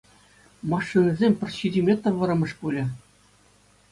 Машинисем пӗр ҫичӗ метр вӑрӑмӗш пулӗ.